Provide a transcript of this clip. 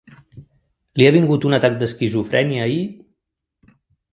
Li ha vingut un atac d'esquizofrènia i...